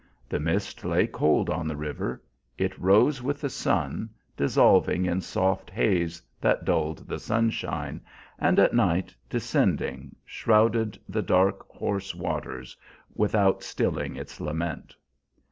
The mist lay cold on the river; it rose with the sun, dissolving in soft haze that dulled the sunshine, and at night, descending, shrouded the dark, hoarse water without stilling its lament.